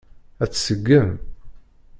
Ad t-tseggem?